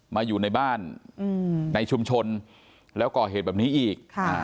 อยู่ในบ้านในชุมชนแล้วก่อเหตุแบบนี้อีก